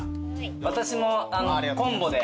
私もコンボで。